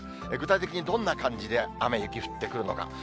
具体的にどんな感じで雨、雪降ってくるのか。